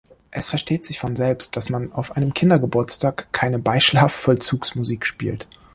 Es versteht sich von selbst, dass man auf einem Kindergeburtstag keine Beischlafvollzugsmusik spielt.